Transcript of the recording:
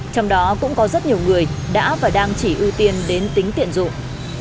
trong đó cũng có rất nhiều người đã và đang chỉ ưu tiên đến tính tiện dụng